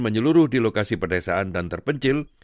menyeluruh di lokasi pedesaan dan terpencil